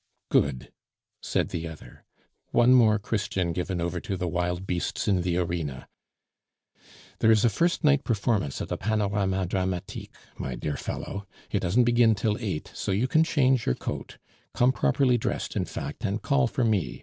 "Good!" said the other, "one more Christian given over to the wild beasts in the arena. There is a first night performance at the Panorama Dramatique, my dear fellow; it doesn't begin till eight, so you can change your coat, come properly dressed in fact, and call for me.